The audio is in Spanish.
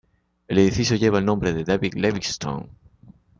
El edificio lleva el nombre de David Livingstone.